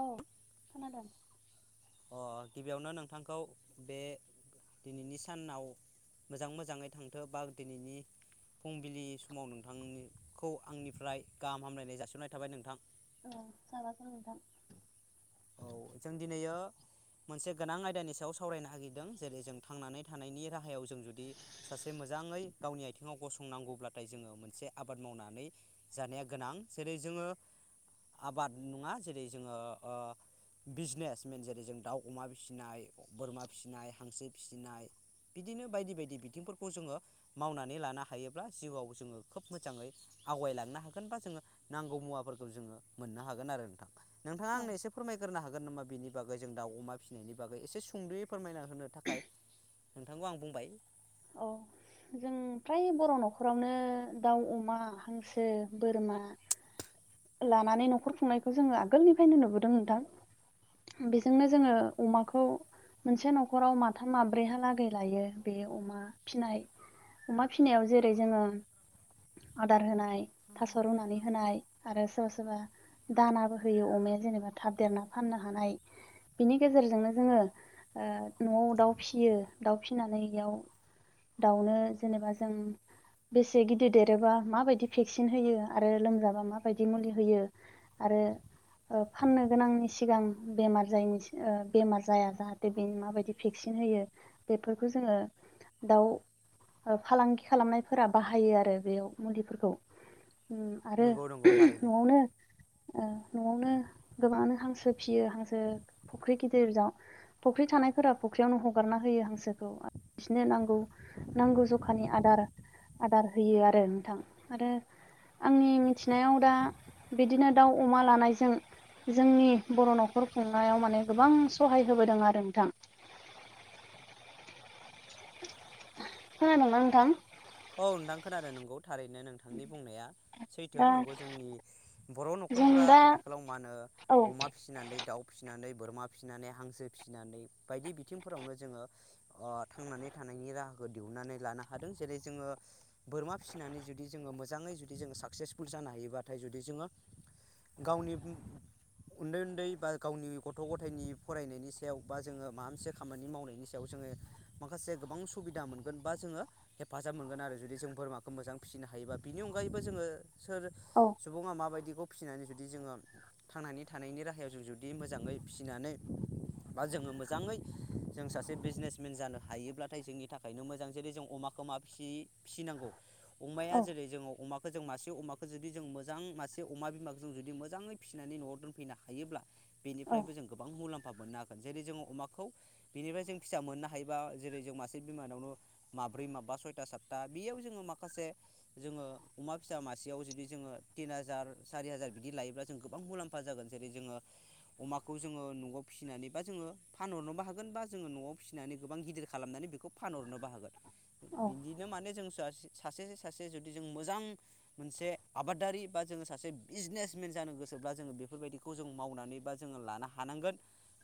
औ खोनादों। अ गिबियावनो नोंथांखौ बे दिनैनि सानाव मोजां मोजाङै थांथो बा दिनैनि फुंबिलि समाव नोंथांखौ आंनिफ्राय गाहाम हामलायनाय जासिहरनाय थाबाय नोंथां। औ साबायखर नोंथां। औ जों दिनैयो मोनसे गोनां आयदानि सायाव सावरायनो हागिरदों जेरै जों थांनानै थानायनि राहायाव जों जुदि सासे मो जाङै गावनि आथिङाव गसंनांगौब्लाथाय जोङो मोनसे आबाद मावनानै जानाया गोनां जेरै जो जोङो आबाद नङा जेरै जोङो ओ बिजनेस मेन जेरै जों दाउ अमा फिसिनाय बोरमा फिसिनाय हांसो फिसिनाय बिदिनो बायदि बायदि बिथिंफोरखौ जोङो मावनानै लानो हायोब्ला जिउआव जोङो खोब मोजाङै आवगायलांनो हागोन बा जोङो नांगौ मुवाफोरखौ जोङो मोननो हागोन आरो नोंथां नोंथाङा आंनो एसे होनो हागोन नामा बेनि बागै जों दाउ अमा फिसिनायनि बागै एसे सुंद'यै फोरमायना होनो थाखाय नोंथांखौ आं बुंबाय। औ जों फ्राय बर' न'खरावनो दाउ अमा हांसो बोरमा लानानै न'खर खुंनायखौ जोङो आगोलनिफायनो नुबोदों नोंथां। बेजोंनो जोङो अमाखौ मोनसे न'खराव माथाम माब्रैहा लागै लायो बेयाव अमा फिनाय अमा फिनायाव जेरै जोङो आदार होनाय थास' रुनानै होनाय आरो सोरबा सोरबा दानाबो होयो अमाया जेनेबा थाब देरना फाननो हानाय बिनि गेजेरजोंनो जोङो ओ न'आव दाउ फिसियो दाउ फिनानैयाव दाउनो जेनेबा जों बेसे गिदिर देरोबा माबायदि भेक्सिन होयो आरो लोमजाबा माबायदि मुलि होयो आर रो ओ फाननो गोनांनि सिगां बेमार जायनि सि ओ बेमार जाया जाहाथे बेनि माबायदि भेक्सिन होयो बेफोरखौ जोङो दाउ ओ फालांगि खालामनायफोरा बाहायो आरो बेयाव मुलिफोरखौ। ओम आरो नंगौ नंगौ थारैनो न'आवनो ओ न'आवनो गोबाङानो हांसो फियो हांसो फुख्रि गिदिर जाव फुख्रि थानायफोरा फुख्रियावनो हगारना होयो हांसोखौ बिसनो नांगौ नांगौ जखानि आदार आदार होयो आरो नोंथां आरो आंनि मिथिनायाव दा बिदिनो दाउ अमा लानायजों जोंनि बर' न'खर खुंनायाव माने गोबां सहाय होबोदों आरो नोंथां। [inaudible] खोनादों ना नोंथां? औ नोंथां खोनादों नोंगौ। थारैनो नोंथांनि बुंनाया सैथो दा नंगौ जोंनि बर' जों न'खरफोरा दा आथिखालाव मा होनो औ अमा फिसिनानै दाउ फिसिनानै बोरमा फिसिनानै हांसो फिसिनानै बायदि बिथिंफोरावनो जोङो ओ थांनानै थानायनि राहा फोर दिहुननानै लानो हादों जेरै जोङो बोरमा फिसिनानै जुदि जोङो मोजाङै जुदि जोङो साक्सेसफुल जानो हायोबाथाय जुदि जोङो गावनि उन्दै उन्दै बा गावनि गथ' गथायनि फरायनायनि सायाव बा जोङो माबा मोनसे खामानि मावनायनि सायाव जों माने माखासे गोबां सुबिदा मोनगोन बा जोङो हेफाजाब मोनगोन आरो जुदि जों बोरमाखौ मोजां फिसिनो हायोबा बिनि अनगायैबो जोङो सोर औ सुबुङा माबायदिखौ फिसिनानै जुदि जोङो थांनानै थानायनि राहायाव जों जुदि मोजाङै फिसिनानै बा जोङो मोजाङै जों सासे बिजनेसमेन जानो हायोब्लाथाय जोंनि थाखायनो मोजां जेरै जों अमाखौ माब फिसि फिसिनांगौ अमाया औ जेरै जोङो अमाखौ फोजों मासे अमाखौ जुदि जों मोजां मासे अमा बिमाखो जों जुदि मोजाङै फिनानै न'आव दोनफैनो हायोब्ला औ बेनिफ्रायबो जों गोबां मुलाम फा मोननो हागोन जेरै जोङो अमाखौ बिनिफ्राय जों फिसा मोननो हायोबा जेरै जों मासे बिमानावनो मा माब्रै माबा सय था साथथा बेयाव जोङो माखासे जोङो अमा फिसा मासेयाव जुदि जोङो तिन हाजार सार सारि हाजार बिदि लायोब्ला जों गोबां मुलाम्फा जागोन जेरै जोङो अमाखौ जोङो न'आव फिनानै बा जोङो फानहरनोबो हागोन बा जोङो न'आव फिनानै गोबां गिदिर खालामनानै बेखौ फानहरनोबो हागोन। औ बिदिनो माने जों दास सासे सासे जुदि जों मोजां मोनसे आबादारि बा जोङो सासे बिजनेसमेन जा जानो गोसोब्ला जोङो बेफोरबायदिखौ जों मावनानै बा जोङो लानो हानांगोन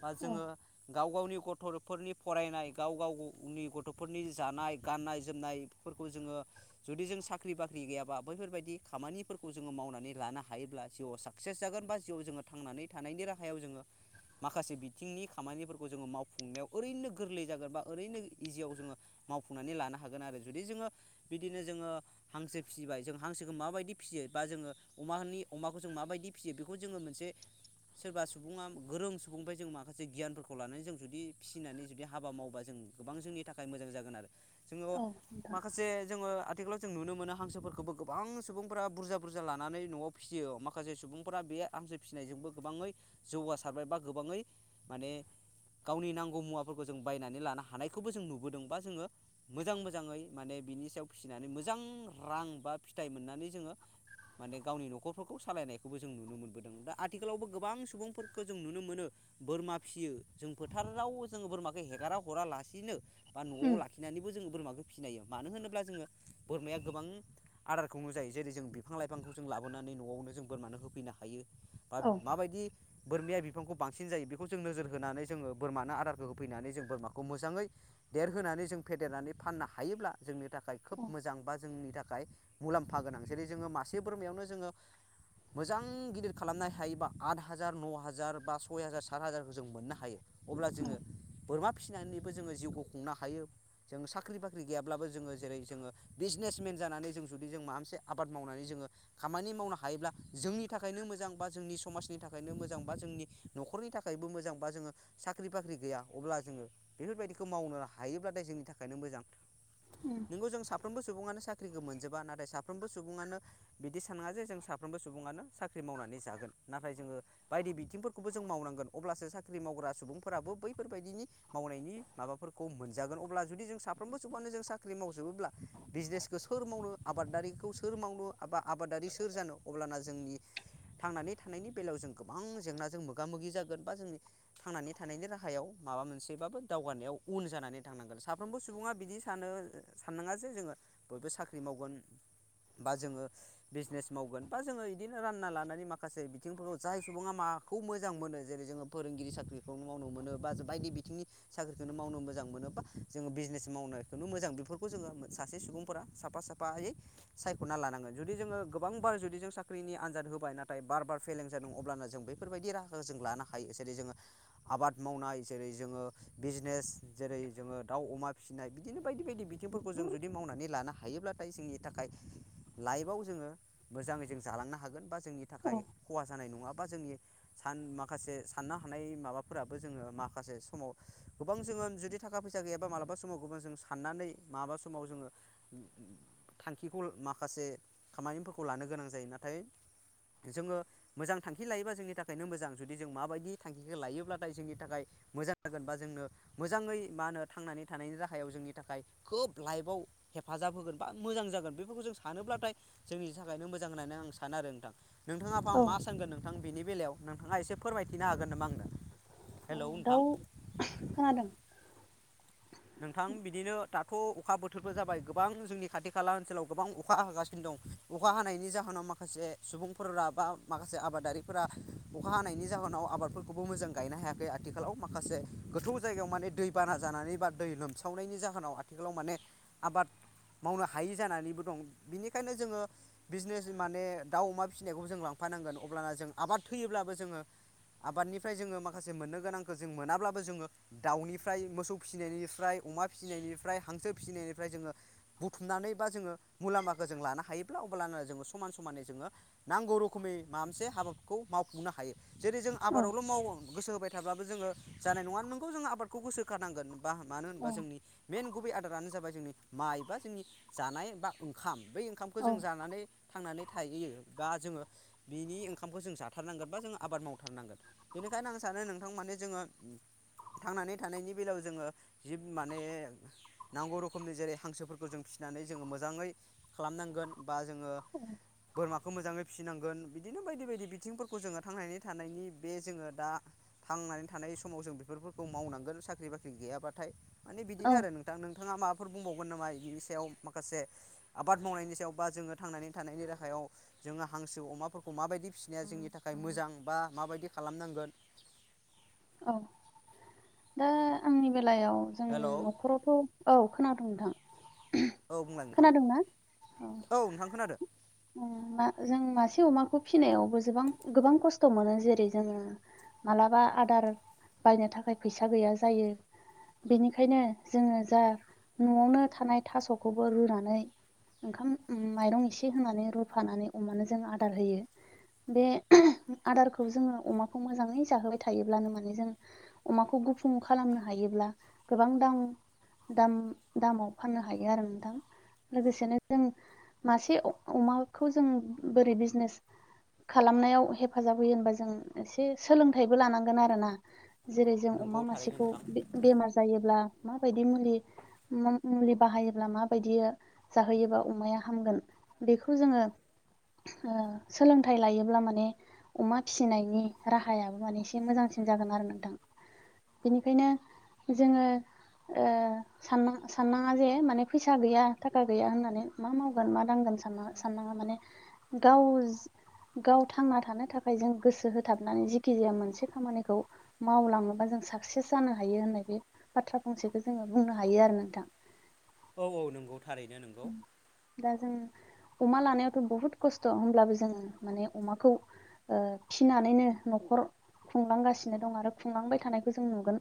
बा औ जोङो गाव गावनि गथल फोरनि फरायनाय गाव गाव गनि गथ'फोरनि जानाय गाननाय जोमनायफोरखौ जोङो जुदि जों साख्रि बाख्रि गैयाबा बैफोरबायदि खामानिफोरखौ जोङो मावनानै ला लानो हायोब्ला जिउआव साक्सेस जागोन बा जिउआव जोङो थांनानै थानायनि राहायाव जोङो माखासे बिथिंनि खामानिफोरखौ जोङो मावफुंनायाव ओरैनो गोरलै जागोन बा ओरैनो इजियाव जोङो मावफुंनानै लानो हा हागोन आरो जुदि जोङो बिदिनो जोङो हांसो फिसिबाय जों हांसोखौ माबायदि फियो बा जोङो अमाहानि अमाखौ जों माबायदि फियो बेखौ जोङो मोनसे सोरबा सुबुङा गोरों सुबुंफाय जों माखासे गियानफोरखौ लानानै जों जुदि फिनानै जुदि हाबा मावोबा जों गोबां जोंनि थाखाय मोजां जागोन आरो जोङो औ नोंथां माखासे जोङो जों नुनो मोनो हांसोफोरखोबो गोबां सुबुंफोरा बुरजा बुरजा लानानै न'आव फियो माखासे सुबुंफोरा बे ए आमसो फिनायजोंबो गोबाङै जौगासारबाय बा गोबाङै माने गावनि नांगौ मुवाफोरखौ जों बायनानै लानो हानायखौबो जों नुबोदों बा जोङो मोजां मोजाङै माने बिनि सायाव फिसिनानै मोजां रां बा फिथाइ मोननानै जोङो माने गावनि न'खरफोरखौ सालायनायखौबो जों नुनो मोनबोदों दा आथिखालावबो गोबां सुबुंफोरखो जों नुनो मोनो। बोरमा फियो जों फोथाराव जोङो बोरमाखौ हेगारा हरा लासिनो बा न'आव उम ला खिनानैबो जोङो बोरमाखो फिनायो मानो होनोब्ला जोङो बोरमाया गोबां आदारखौ नो जायो जेरै जों बिफां लाइफांखौ जों लाबोनानै न'आवनो जों बोरमानो होफैनो हायो बा औ माबायदि? बोरमाया बिफांखौ बांसिन जायो बेखौ जों नोजोर होनानै जोङो बोरमानो आदारखौ होफैनानै जों बोरमाखौ मोजाङै देरहोनानै जों फेदेरनानै फाननो हायोब्ला जोंनि थाखाय खोब औ मोजां बा जोंनि थाख खाय मुलाम्फा गोनां जेरै जोङो मासे बोरमायावनो जोङो मोजां गिदिर खालामनाय हायोबा आट हाजार न' हाजार बा सय हाजार सात हाजारखौ जों मोननो हायो। अब्ला जोङो बोरमा फिनानैबो जोङो जिउखौ खुंनो हायो। जों साख्रि बाख्रि गैयाब्लाबो जोङो जेरै जोङो बिजनेसमेन जानानै जों जुदि जों मा मोनसे आबाद मावनानै जोङो खामानि मावनो हायोब्ला जोंनि थाखायनो मोजां बा जोंनि समाजनि थाखायनो मोजां बा जोंनि न'खरनि नि थाखायबो मोजां बा जोङो साख्रि बाख्रि गैया अब्ला जोङो बेफोरबायदिखौ मावनो हायोब्लाथाय जोंनि थाख खायनो मोजां उम नोंगौ जों साफ्रोमबो सुबुंआनो साख ख्रिखो मोनजोबा नाथाय साफ्रोमबो सुबुङानो बिदि सानाङा जे जों साफ्रोमबो सुबुङानो साख्रि मावनानै जागोन। नाथाय जोङो बायदि बिथिंफोरखौबो जों मावनांगोन अब्लासो साख्रि मावग्रा सुबुंफोराबो बैफोरबायदिनि मावनायनि माबाफोरखौ मोनजागोन अब्ला जुदि जों साफ्रोमबो सुबुंआनो जों साख्रि मावजोबोब्ला बिजनेसखौ सोर मावनो आबादारिखौ सोर मावनो आबा आबादारि सोर जानो अब्लाना जोंनि थांनानै थानायनि बेलायाव जों गोबां जेंनाजों मोगा मोगि जागोन बा जोंनि थांनानै थानायनि राहायाव माब बा मोनसेबाबो दावगानायाव उन जानानै थांनांगोन। साफ्रोमबो सुबुङा बिदि सानो साननाङा जे जोङो बयबो साख्रि मावगोन। बा जोङो बिजनेस मावगोन बा जोङो इदिनो रानना लानानै माखासे बिथिंफोराव जाय सुबुङा मा माखौ मोजां मोनो जेरै जोङो फोरोंगिरि साख्रिखौ मावनो मोनो बा बायदि बिथिंनि साख्रिखौनो मावनो मोजां मो मोनो बा जोङो बिजनेस मावनायखौनो मोजां बेफोरखौ जोङो सासे सुबुंफोरा साफा साफायै सायख'ना लानांगोन। जुदि जोङो गोबांबार जुदि जों साख्रिनि आनजाद होबाय नाथाय बार बार फेलें जादों अब्लानो जों बेफोरबायदि राह जों लानो हायो जेरै जोङो आबाद मावनाय जेरै जोङो बिजनेस जेरै जोङो दाउ अमा फिसिनाय बिदिनो बायदि बायदि बिथिंफोरखौ जों जुदि मावनानै लानो हायोब्लाथाय जोंनि थाखाय लाइफआव जोङो मोजाङै जों जालांनो हागोन बा जोंनि थाखाय औ खहा जानाय नङा। बा जोंनि माखासे साननो हानाय माबाफोराबो जोङो माखासे समाव गोबां जों जुदि थाखा फैसा सा गैयाबा मालाबा समाव गुबुन जों साननानै मालाबा समाव जोङो थांखिखौ माखासे से खामानिफोरखौ लानो गोनां जायो नाथाय जोङो मोजां थांखि लायोबा जोंनि थाखायनो मोजां जुदि जों माबायदि थांखिखौ लायोब्लाथाय जोंनि थाखाय मोजां जागोन बा जोंनो मोजाङै मा होनो। थांनानै थानायनि जाहायाव जोंनि थाखाय खोब लाइफआव हेफाजाब होगोन बा मोजां जागोन बेफोरखौ जों सानो। अब्लाथाय जोंनि थाखायनो मोजां होननानै आं सानो आरो नोंथां। नोंथाङाबा औ मा सानगोन नोंथां बिनि बेलायाव नोंथाङा एसे फोरमायथिनो हागोन नामा आंनो हेलौ नोंथां औ खोनादों नोंथां बिदिनो दाथ' अखा बोथोरफोर जाबाय गोबां जोंनि खाथि खाला ओनसोलाव गोबां अखा हागासिनो दं अखा हानायनि जाहोनाव माखासे सुबुंफोरा बा माखासे आबादारिफोरा अखा हानायनि जाहोनाव आबादफोरखौबो मोजां गायनो हायाखै। आथिखालाव माखासे गोथौ जायगायाव माने दैबाना जानानै बा दै लोमसावनायनि जाहोनाव आथिखालाव माने आबाद मावनो हायि जानानैबो दं बिनिखायनो जोङो बिजनेस माने दाउ अमा फिसिनायखौ जों लांफा फानांगोन अब्लाना जोङो आबाद थैयोब्लाबो जोङो आबादनिफ्राय जोङो माखासे मोननो गोनांखौ जों मोनाब्लाबो जोङो दाउनिफ्राय मोसौ फिसिनायनि फ्राय अमा फिसिनायनिफ्राय हांसो फिसिनायनिफ्राय जोङो बुथुमनानै बा जोङो मुलाम्फाखौ जों लानो हायो। जब्ला अब्लानो जोङो समान समानै जोङो नांगौ रोखोमै माबा मोनसे हाबाखौ मावफुंनो हायो। जेरै जों औ आबादावल' माव गोसो होबाय थाब्लाबो जोङो जानाय नङा नोंगौ जोङो आबादखौ गोसो खानांगोन। मानो औ होनोबा जोंनि मइेन गुबै आदारानो जाबाय जोंनि माइ बा जोंनि जानाय बा ओंखाम। बै ओंखामखौ औ जों जानानै थांनानै थाहैयोबा जोङो बिनि ओंखामखौ जों जाथारनांगोन बा जोङो आबाद मावथारनांगोन बेनिखायनो आं सान नो नोंथां माने जोङो थांनानै थानायनि बेलायाव जोङो जिब माने नांगौ रोखोमनि जेरै हांसोफोरखौ जों फिसिनानै जोङो मोजाङै खालाम गोन होनबा जोङो बोरमाखौ खौ मोजाङै फिसिनांगोन बिदिनो बायदि बायदि बिथिंफोरखौ जोङो थांनानै थानायनि बे जोङो दा थांनानै थानाय समाव जों बेफोरखौ मावनांगोन साख्रि बाख्रि गैयाबाथाय माने औ बिदिनो आरो नों नोंथाङा मा फोर बुंबावगोन नामा बिनि सायाव माखासे आबाद मावनायनि सायाव बा जोङो थांनानै थानायनि राहायाव जोङो हांसो अमाफोरखौ माबायदि फिसिनाया जोंनि थाखाय मोजां बा माबायदि खालामनांगोन [inaudible] औ दा आंनि बेलायाव जों हेलौ न'खरावथ' औ खोनादोंं नोंथां औ बुंलाय नोंथां खोनादोंना औ नोंथां खोनादों। मा जों मासे अमाखौ फिसिनायावबोबां गोबां खस्थ' मोनो जेरै जोङो। मालाबा आदार बायनो थाखाय फैसा गैया जायो। बेनिखायनो जोङो जा न'आवनो थानाय थास'खौबो रुनानै ओंखाम माइरं एसे होनानै रुफानानै अमानो जों आदार होयो। बे आदारखौ जोङो अमाखौ मोजाङै जाहोबाय थायोब्लानो माने जों अमाखौ गुफुं खालामनो हायोब्ला गोबां दा दाम दामाव फाननो हायो आरो नोंथां लोगोसेनो जों मासे अ अमाखौ जों बोरै बिजनेस खालामनायाव हेफाजाब होयो होनबा जों एसे सोलोंथाइबो लानांगोन आरोना। जेरै जों नोंगौ अमा थारैनो मासेखौ नोंथां बे बेमार जायोब्ला माबायदि मुलि मुलि बाहायोब्ला माबायदि जाहोयोबा अमाया हामगोन बेखौ जोङो ओ सोलोंथाइ लायोब्ला माने अमा फिसिनायनि राहायाबो माने एसे मोजांस सिन जागोन आरो नोंथां। बिनिखायनो जोङो ओ सान साननाङा जे माने फैसा गैया थाखा गैया होननानै मा मावगोन मा दांगोनस साना सानाङा माने गाव जि गाव थांना थानो थाखाय जों गोसो होथाबनानै जिखि जाया मोनसे खामानिखौ मावलाङोबा जों साक्सेस जानो हायो होननाय बे बाथ्रा फंसेखो जोङो बुंनो हायो आरो नोंथां। औ औ नोंगौ थारैनो नंगौ। दा जों अमा लानायावथ' बहुद खस्थ' होमब्लाबो जोङो माने अमाखौ ओ फिनानैनो न'खर खुंलांगासिनो दं आरो खुंलांबाय थानायखो जों नुगोन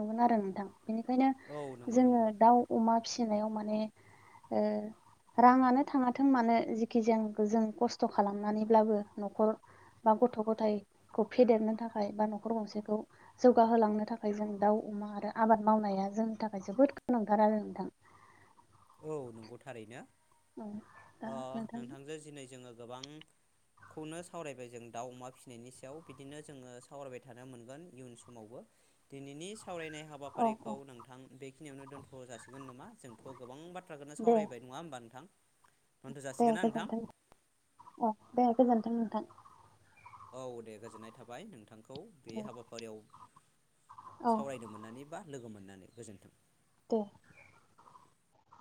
नुगोन आरो नोंथां। बेनिखायनो औ नंगौ जोङो नंगौ दाउ अमा फिसिनायाव माने ओ राङानो थाङाथों मानो जिखि जों जों खस्थ' खालामनानैब्लाबो न'खर बा गथ' गथायखौ फेदेरनो थाखाय बा न'खर गंसेखौ जौगाहोलांनो थाखाय जों दाउ अमा दा आबाद मावनाया जोंनि थाखाय जोबोद गोनांथार आरो नोंथां। औ नोंगौ थारैनो औ दा ओ नोंथां नोंथांजो जिनै जोङो गोबां खौनो सावरायबाय जों दाउ अमा फिसिनायनि सायाव बिदिनो जोङो सावरायबाय थानो मोनगोन इयुन समावबो। दिनैनिस सावरायनाय औ हाबाफारिखौ औ नोंथां बेखिनियावनो दोनथ' जासिगोन नामा जोंथ' गोबां बाथ थ्राखोनो दे सावरायबाय नङा होमबा नोंथां? दोनथ' दे जासिगोन ना नोंथां गोजोनथों औ दे गोजोनथों नोंथां। औ दे गोजोननाय थाबाय नोंथांखौ बे औ हाबाफारियाव औ सावरायनो मोननानै बा लोगो मोननानै गोजोन्थों। दे।